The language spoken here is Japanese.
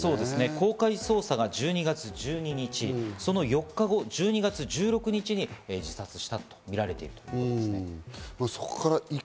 公開捜査が１２月１２日、その４日後の１２月１６日に自殺したとみられているということですね。